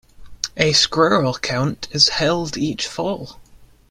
A squirrel count is held each fall.